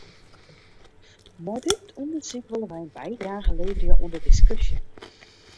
Mei dit ûndersyk wolle wy in bydrage leverje oan de diskusje.